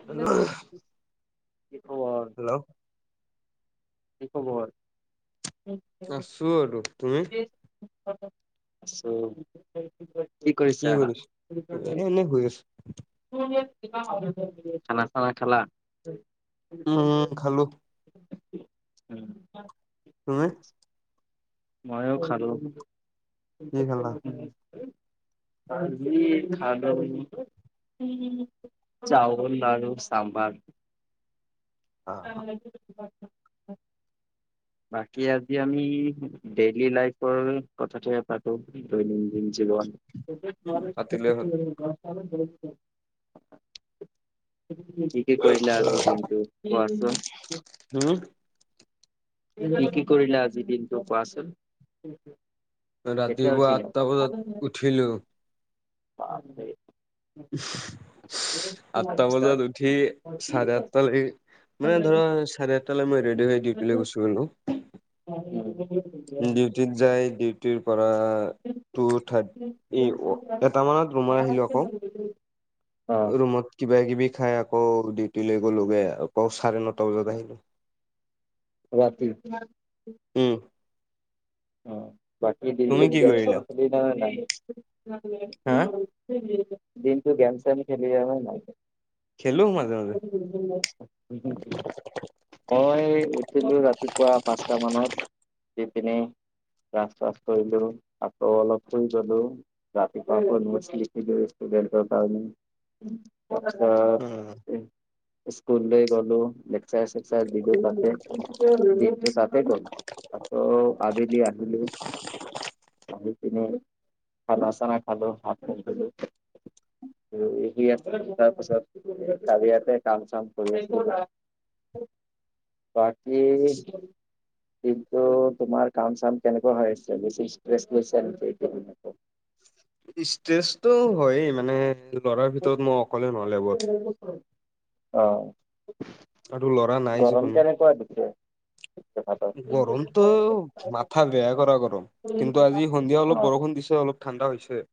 [unintelligible] কি খবৰ? হেল্ল'। কি খবৰ? আছো আৰু তুমি? কি কৰিছা? এ এনে শুই আছো খানা-চানা খালা? অ খালো। [unintelligible] তুমি? মইয়ো খালো। কি খালা আজি খানা [inaudible] চাউল আৰু চামবাৰ। বাকী আজি আমি ডেইলি লাইফৰ কথাটোহে পাতো কি কৰিলো। পাতিলে হ'ল [unintelligible] কি কি কৰিলা আজি দিনটোত কোৱাচোন? হুম? কি কি কৰিলো আজিৰ দিনটো কোৱাচোন? কেতিয়া ৰাতিপুৱা উঠিলা? আঠটা বজাত উঠিলো, [unintelligible] আঠটা তাৰপিছত বজাত উঠি চাৰে আঠটা লে মানে ধৰা চাৰে আঠটালৈ মই ৰেডি হৈ ডিউটি লে গুছি গ'লো। উম। ডিউটিত যায়, ডিউটিৰ পৰা টু থাৰটি এই ক' এটামানত ৰুমলৈ আহিলোঁ আকৌ। [unintelligible] অ ৰুমত কিবা-কিবি খায় আকৌ ডিউটি লৈ গ'লো-গে আকৌ চাৰে নটা বজাত আহিলোঁ। ৰাতি। উম। অহ, বাকী তুমি দিনটো কি গেম-চেম কৰিলা? খেলি না হা [unintelligible] দিনতটো গেম-চেম খেলিলানে নাই? খেলো মাজে মাজে। [unintelligible] মই উঠিলোঁ ৰাতিপুৱা পাঁচটা মানত দি পিনে ব্ৰাছ-চাছ কৰিলোঁ আকৌ অলপ শুই গ'লো। ৰাতিপুৱা ফোন কৰিছিল এইখিনি ষ্টুডেটৰ কাৰণে। আচ্ছা উম। স্কুলে গ'লো লেকচাৰ-চেকচাৰ দি লৈ তাতে, দিনটো তাতে গ'ল। আকৌ আবেলি আহিলোঁ। আমি তেনেই খানা-ছানা খালোঁ, ভাত নাখালোঁ। [unintelligible] তাৰপিছত কালি ইয়াতে কাম-চাম কৰি বাকী দিনটো তোমাৰ কাম-চাম কেনেকুৱা হৈ আছে, বেছি ষ্ট্ৰেছ লৈছা নেকি তুমি? ষ্টেজতটো হয় মানে ল'ৰাৰ ভিতৰত মই অকলে নলেবত। অহ। আৰু ল'ৰা নাই কেনেকুৱা দিছে যোৰহাটত? যিকোনো। গৰমতটো মাথা বেয়া কৰা গৰম কিন্তু আজি সন্ধিয়া অ অলপ বৰষুণ দিছে অলপ। ঠাণ্ডা হৈছে।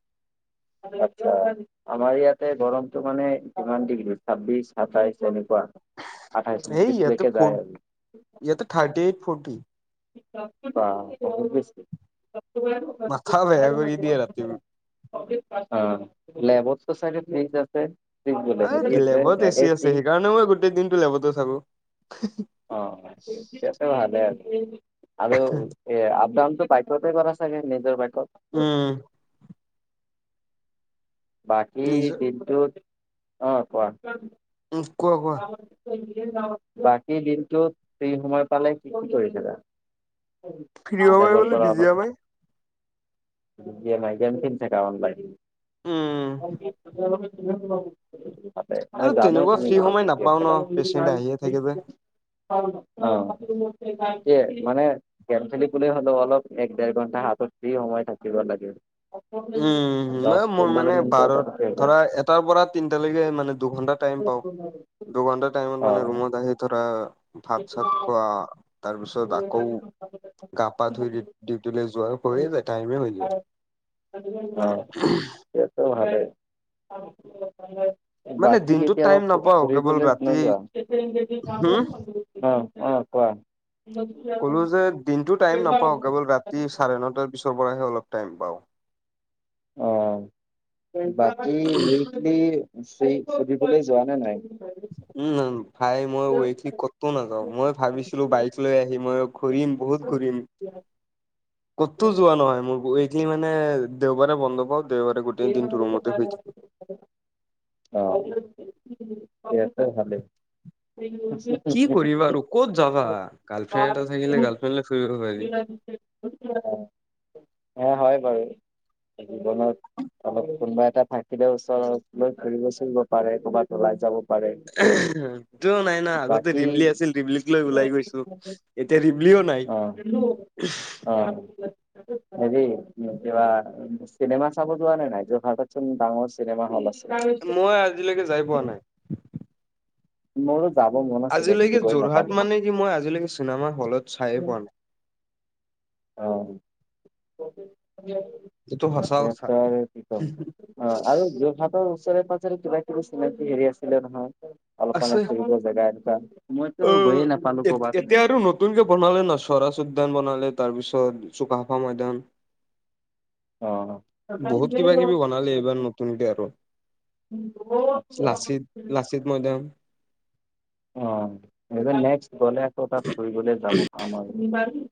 আচ্ছা। আমাৰ ইয়াতে গৰমতটো মানে ইমান ডিগ্ৰী ছাব্বিশ সাতাইশ এনেকুৱা। আঠাইশ এই ইয়াত ঊনত্ৰিশলৈকে ফ যায় আৰু ইয়াত থাৰ্টি এইট ফৰ্টি। বাহ বহুত বেছি। [unintelligible] মথা বেয়া কৰি দিয়ে ৰাতিও। অহ, [unintelligible] ফ্ৰেইজ আছে। ফ্ৰিজ বোলে এই হেৰি আছে লেবত এছি এ আছে, চি সেইকাৰণে মই গোটেই দিনটো লেবতে থাকো। অহ, তাতে ভালহে আৰু এ অপ ডাউনটো বাইকতে কৰা চাগে নিজৰ বাইকতে। উম। বাকী নিজৰ দিনটোত। অহ, কোৱা? উম' কোৱা কোৱা? বাকী দিনটো ফ্ৰী সময় পালে কি কি কৰিছিলা। ফ্ৰী সময় লেবৰ বোলে পৰা বিজি অলপ সময় গেমেই, গেম খেলি থাকা অনলাইন। উম [unintelligible] আৰু জানো তেনেকুৱা তুমি ফ্ৰী বহুত সময় নাপাওঁ ন' পেচেণ্ট আহিয়ে থাকে যে। অহ, এ মানে গেম খেলি ক'লে হ'লেও অলপ এক দেৰ ঘন্টা হাতত ফ্ৰী সময় থাকিব লাগে। উম', দহ হম' মোৰ পোন্ধৰ মানে মিনিট বাৰ এটা থাকে অ। ধৰা এটাৰ পৰা তিনটালৈকে মানে দুঘন্টা টাইম পাওঁ। দুঘন্টা টাইমত অ মানে ৰুমত আহি ধৰা, ভাত-চাত খোৱা তাৰপিছত আকৌ গা পা ধুই ডিউটি-ডিউটিলৈ যোৱা হৈয়ে যায় টাইমে হৈ যায়। অহ, তেতিয়াটো ভালেই। মানে বাকী দিনটোত কেতিয়া টাইম নাপাওঁ কেৱল ফু-ফুৰিবলৈ ৰাতি নোযোৱা? অহ', হম অহ' কোৱা? [unintelligible] ক'লো যে দিনটো টাইম নাপাওঁ। কেৱল ৰাতি চাৰে নটাৰ পিছৰ পৰাহে অলপ টাইম পাওঁ। অ' বাকী যিখিনি সুধিবলৈ যোৱা নে নাই। উম, ভাই মই ৱখি ক'তো নাযাওঁ। মই ভাবিছিলোঁ বাইক লৈ আহি মইয়ো। ঘূৰিম বহুত ঘূৰিম। [unintelligible] ক'তো যোৱা নহয়, মোৰ উইগলি মানে দেওবাৰে বন্ধ পাওঁ। দেওবাৰে গোটেই দিনটোৰ ৰুমতে শুই থাকো। অহ' [unintelligible] কি কৰিবা আৰু ক'ত যাবা গাৰ্লফ্ৰেণ্ড এটা থাকিলে গাৰ্লফ্ৰেণ্ড ফুৰিবলৈ পাৰি। হয় বাৰু জীৱনত। অলপ কোনোবা এটা থাকিলে ওচৰ লৈ ঘুৰিব চুৰিব পাৰে ক'ৰবাত ওলাই যাব। পাৰে। টোও নাই নহ আগতে বাকী দিপলি আছিল দিপলিক লৈ ওলাই গৈছোঁ। এতিয়া ৰিবলিও নাই। অ' হেৰি কিবা চিনেমা চাব যোৱা নাই যে ভাৰত ডাঙৰ চিনেমা হ'ল আছে। মই আজিলৈকে যাই পোৱা নাই। মোৰো যাব মন। আছিলে কিন্তু আজিলৈকে গৈ যোৰহাট নাপালো মানে কি মই আজিলৈকে চিনেমা হলত চাই পোৱা নাই। অ' [unintelligible] এইটো সঁচা অ' কথা। আৰু যোৰহাটৰ ওচৰে পাজৰে কিবা কিবি চিনাকি হেৰি আছিলে নহয়। অলপ আছে মানে ফুৰিব জেগা এটা অ মইতো গৈয়ে নাপালোঁ এতিয়া ক'ৰবাত। আৰু নতুনকে বনালে ন সৰাজ উদ্যান বনালে। তাৰপিছত চুকাফা ময়দান। অ' বহুত কিবা কিবি বনালে এইবাৰ নতুনকে আৰু লাচিত, আচ্ছা লাচিত লাচিত মৈদাম। অ' নেক্স গ'লে আকৌ তাত ফুৰিবলৈ যাব পাম আৰু।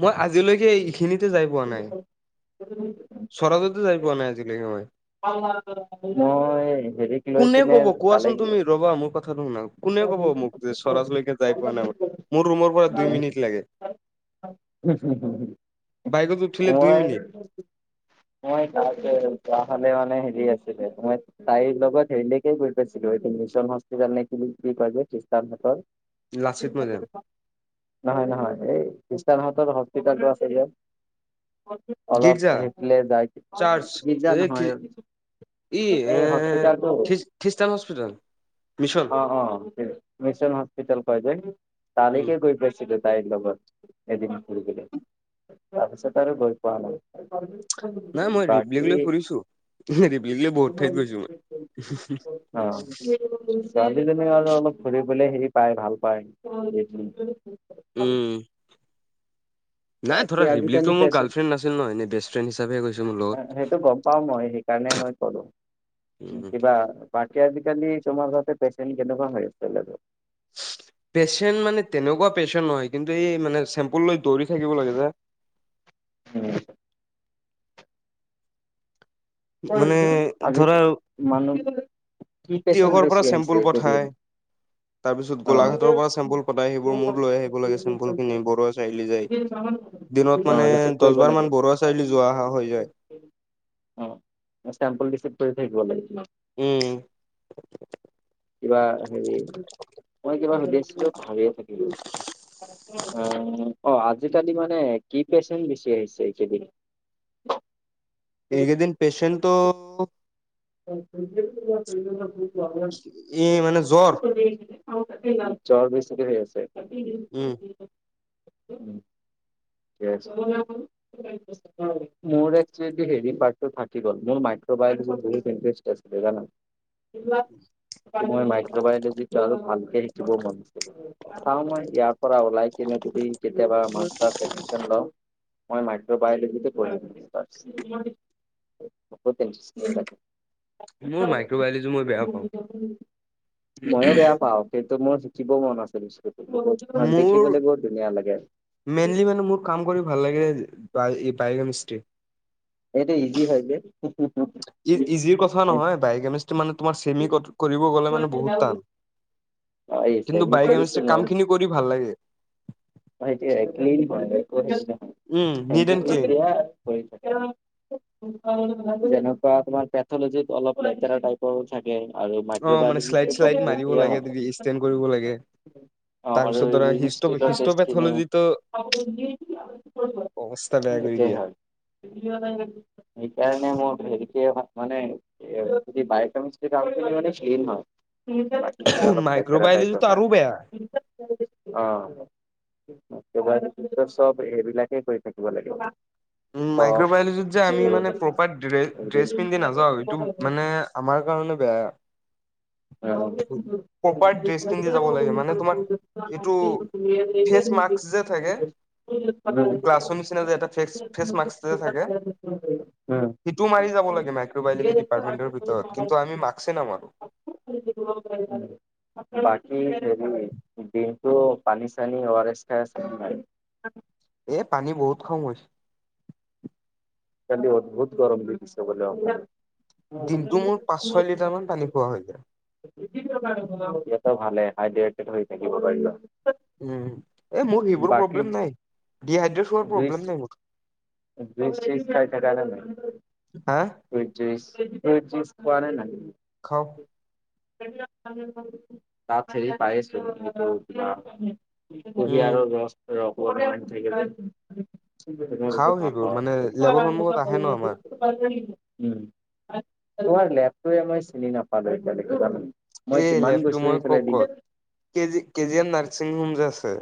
মই আজিলৈকে এইখিনিত, যাই পোৱা নাই। চৰাজতে যাই পোৱা নাই আজিলৈকে মই মই হেৰিক লৈ কোনে পিনে ক'ব তালে কোৱাচোন তুমি ৰবা মোৰ কথাটো শুনা। কোনে ক'ব মোক যে চৰাচলৈকে যাই পোৱা নাই মই, মোৰ ৰুমৰ পৰা দুই মিনিট লাগে। বাইকত উঠিলে দুই মই। মিনিট মই তাত যোৱা হ'লে মানে হেৰি আছিলে মই তাইৰ লগত হেৰিলৈকে গৈ পাইছিলোঁ। এইটো মিছন হস্পিতেল নে কি বুলি কি কয় যে খ্ৰীষ্টান হাটৰ। লাচিত মৈদাম নহয়, নহয়, এই খ্ৰীষ্টানহাটৰ হস্পিতালটো আছে যে। অলপ গীৰ্জা সেইফালে যাই চাৰ্চ গিজা ন এই হয় ই এই এ হস্পিতলটো খ্ৰীষ্টান হস্পিটেল মিছন অ' অ' মিছন হস্পিতেল কয় যে উম তালৈকে গৈ পাইছিলোঁ। তাইৰ লগত এদিন ফুৰিবলৈ, তাৰপিছত আৰু গৈ পোৱা নাই নাই। মই ৰিবলিক লৈ বাকী ফুৰিছো। ৰিবলিক লৈ বহুত আহ ঠাইত গৈছো মই ছোৱালীজনীক আৰু অলপ ঘূৰি ফালে হেৰি পায় ভাল পায়। উম [unintelligible] নাই বাকী ধৰা আজিকালি ৰিবলিটো মোৰা পেচেণ্ট গাৰ্লফ্ৰেণ্ড নাছিল ন এনে বেষ্ট ফ্ৰেণ্ড হিচাপে গৈছে মোৰ লগত। পাওঁ। মই সেইকাৰণে মই কলোঁ উম, কিবা। বাকী আজিকালি তোমাৰ তাতে পেচেণ্ট কেনেকুৱা হৈ আছিল আৰু। পেটেন্ট মানে তেনেকুৱা পেচেনট নহয়। কিন্তু এই মানে চেম্পুল লৈ দৌৰি থাকিব লাগে যে। অহ' মানে আজি ধৰক মানুহ কি পেচেণ্ট তিয়কৰ পৰা বেছি আহিছে চেম্পোল এইকেইদিন পঠায়। তাৰপিছত অ গোলাঘাটৰ পৰা চেম্পুল পঠাই সেইবোৰ মোৰ লৈ আহিব লাগে, চেম্পুল খিনি বৰুৱাই চাৰআলি যায়। দিনত অ মানে ৰিচিভ দহ কৰিব বাৰ লাগে মান বৰুৱা চাৰিআলি যোৱা অহা হৈ যায়। অ', চেম্পল ৰিচিভ কৰি থাকিব লাগে? উম। কিবা হেৰি মই কিবা সুধি আছিলোঁ পাহৰিয়ে থাকিলো অ' আজিকালি মানে কি পেচেণ্ট বেছি আহিছে এইকেইদিন? এইকেইদিন পেচেণ্টটো [unintelligible] [unintelligible] ই মানে জ্বৰ জ্বৰ বেছিকে হৈ আছে। উম [unintelligible] মোৰ একচুৱালী হেৰী পাৰ্টটো থাকি গ'ল, মোৰ মাইক্ৰোবায়োলজি বহুত ইণ্টাৰেষ্ট আছিলে জানা। মই মাইক্ৰবায়লজিটো আৰু ভালকে শিকিব মন আছিলে। চাও মই ইয়াৰ পৰা ওলাই কিনে যদি কেতিয়াবা মাষ্টাৰ্ছ এডমিশ্যন লওঁ। মই মাইক্ৰবায়লজিটো পঢ়িম [unintelligible] বহুত ইণ্টাৰেষ্টিং লাগে। মোৰ মাইক্ৰ'বায়লজি মই বেয়া পাওঁ [unintelligible] ময়ো বেয়া পাওঁ। সেইটো মোৰ শিকিব মন আছে বস্তুটো বহুত মোৰ দেখিবলৈ বহুত ধুনীয়া লাগে আৰু। মেইনলি মানে মোৰ কাম কৰি ভাল লাগে বায় [unintelligible] এইটো ইজি হয়, যে। ই ইজিৰ কথা নহয় বায় কেমিষ্টি মানে তোমাৰ চেমি কৰিব গ'লে মানে বহুত টান। আহিছে কিন্তু মই বায়' কৰিছো কেমেষ্ট্ৰীৰ কামখিনি কৰি ভাল লাগে। অঁ', সেইটোৱে ক্লিন হয়, একো হেৰী নহয়, উম, নিট এণ্ড ক্লিন। [unintelligible] পঢ়ি থকা যেনেকুৱা তোমাৰ পেথলজিত অলপ লেতেৰা টাইপ থাকে আৰু মাইক্ৰো অ' মানে শ্লাইড বায়োলজিটো শ্লাইড মাৰিব লাগে, ষ্টেণ্ড কৰিব লাগে। [unintelligible] অ', আৰু তাৰপিছত ধৰা হিষ্ট [unintelligible] [unintelligible] হিষ্ট'পেথলজিটো অৱস্থা বেয়া কৰি একে দিয়ে। হয়। সেইকাৰণে মই হেৰিকে মানে বায়'কেমিষ্ট্ৰিৰ কাম খিনি মানে ক্লিন হয়। [unintelligible] লেতেৰা মাইক্ৰ'বায়লজিটো টাইপৰ হয়, আৰু বেয়া। অ'। [unintelligible] চব এইবিলাকে কৰি থাকিব লাগিব। উম, মাইক্ৰবায়লজিত যে আমি মানে প্ৰপাৰ ড্ৰেছ উৰিন। পিন্ধি নাযাও এইটো মানে আমাৰ কাৰণে বেয়া। প্ৰপাৰ ড্ৰেছ পিন্ধি যাব লাগে মানে তোমাৰ এইটো ফেচ মাক্ক যে থাকে, অ'। গ্লাছৰ নিচিনা যে এটা ফে ফেচ মাস্ক যে থাকে। উম। সেইটো মাৰি যাব লাগে মাইক্ৰবায়লজি ডিাৰ্টমেণ্টৰ ভিতৰত কিন্তু আমি মাক্স এ নামাৰো। [unintelligible] উম। বাকী হেৰি দিনতটো পানী চানি অ', আৰ এছ খাই আছে নে নাই? এ পানী বহুত খাও মই। কালি অদভুত গৰম দি দিছে বোলে [unintelligible] দিনতটো মোৰ পাঁচ ছয় লিটাৰ মান পানী খোৱা হৈ যায়। তেতিয়াটো ভালে হাইড্ৰেটেড হৈ থাকিব পাৰিবা। উম, এ মোৰ সেইবোৰ বাকী প্ৰব্লেম নাই ডিহাইড্ৰেত হোৱাৰ জুইচ প্ৰব্লেম নাই মোৰ। [unintelligible] খাই থকা নে নাই হা ফ্ৰুইত ড্ৰিংকচ ফ্ৰুইট ড্ৰিংকচ খোৱা নে নাই? খাও। তাত হেৰী পায়েছোন এটো কিবা বহ উম আৰু থ ভাল খাও সেইবোৰ মানে প লেবৰ পঢ় সন্মুখত আহে ন আমাৰ চ তোমাৰ লেপটো মই চিনি নাপালো এতিল মই এই কিমান লেবটো গৈছো মই ক সফেলাই দি ক'ত কেজি কেজি এন নৰ্চিং হম যে আছে।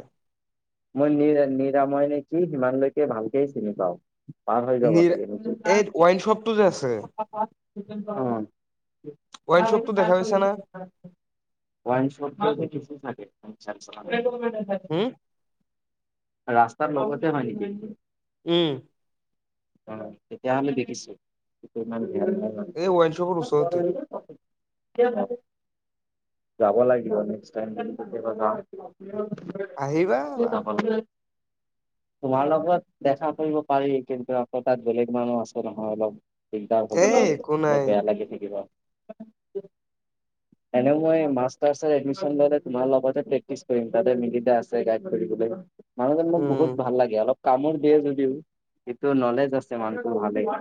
মই নিৰা নিৰাময় নেকি সিমানলৈকে ভালকে চিনি পাওঁ। পাৰ হৈ যাব নিৰ লাগে এই ৱাইন শ্বপটো যে আছে অ ৱাইন আৰু শ্বপটো দেখা পাইছা তাৰল না ক [unintelligible] উম ৰাস্তাৰ লগতে ভানি উম', অ', তেতিয়াাহমি দেখিছো। এই ৱাইন শুকৰৰ চৰততে যাব লাগিব নক টাইতি আহিবা স তাপ তোমাৰ লগত দেখা কৰিব পাৰি কিন্তু আকৌ তাত বেলেগ মানুহ আছে নহয় অলপ দিগদাৰ হ এ একো মোৰ নাই বেয়া লাগি থাকিব। এনে মই মা এডিন ললে তোমাৰ লগতে প্ৰেক্টি কৰিম তাতে মিলি আ গ ফুৰিলৈ মানুহজন মোক উম বহুত ভাল লাগে অলপ কামত দিয়ে যদিও সটো নলেজ আছে মানুহটো ভালেই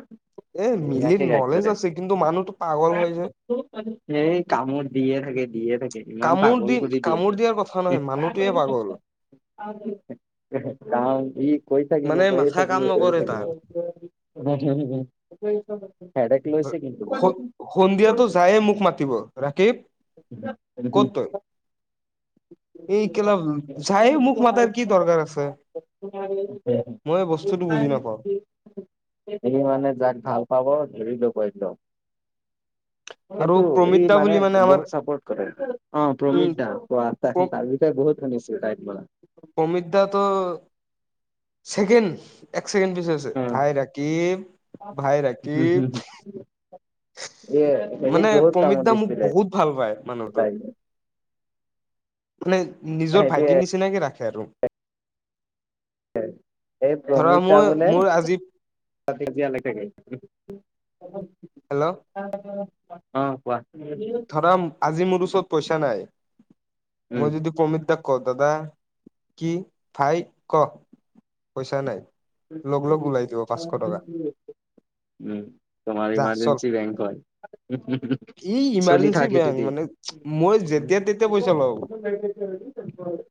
এ ধুনীয়াকে মিলিৰ গাইড কৰে নলেজ আছে কিন্তু মানুহতটো পাগল হৈ যায়। এই কামোৰ দিয়ে থাকে দিয়ে থাকে। ইমান কামোৰ দি পাগল কৰি কামোৰ দিয়াৰ কথা দিয়ে। নহয় মানুহটোৱে পাগল ক ই কৈ থাকিব মানে কে মাথা থাকিম কাম কৰি নকৰে থাকিব। তাৰ। [inaudible] হেডাক্ লৈছে কি উ উ সন্ধিয়াতো যায়ে মোক মাতিব ৰাকিব হ ক'ত তই এই কেল খায়ে মোক মাতাৰ কি দৰকাৰ আছে মই বস্তুটো বুজি নাপাও। স মানে যাক ভাল পাব ধৰিলো কলো আৰু কিন্তু ই প্ৰমিত দা মানে বুলি আমাৰ বহুত চাপৰ্ট কৰে অ প্ৰমিত উম দা বহুত মানস ম প্ৰমিত দাটো কেণ্ড এক ছেকেণ্ড বিশিছেষ ভাই ৰাাকিম ভাই ৰাকিম এ এৰি মানে বহুত কাম প্ৰমিত দা মোক দিছিল বহুত ভাল পায় মানুহটো পলে। মানে নিজৰ হেৰি ভাইটিৰ নিচিনাকে ৰাখে আৰু এ এই ধৰা প্ৰমিত দা মই বোলে মোৰ আজি তাতিতি দিয়া লেক লাগে হেল্ল' অ কোৱা ধৰা আজি মোৰ ওচৰত পইচা নাই উম মই যদি কমিত দাক ক দাদা কি ভাই ক পইচা নাই লগ লগ ওলাই দিব পাঁচশ টকা উম তমাৰ যা চল ইমাৰজেন্ঞ্চি বেংক হয় ই চলি ইমাৰ্জেঞ্চি থাকে বেংক মানে মই যেতিয়া তেতিয়া পইচা লওঁ যদি